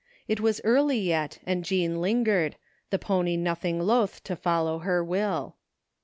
It was early yet and Jean lingered, the pony nothing loath to follow her will.